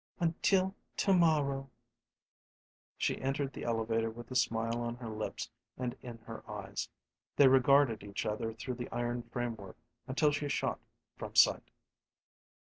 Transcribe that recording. "Until to morrow." She entered the elevator with a smile on her lips and in her eyes. They regarded each other through the iron framework until she shot from sight.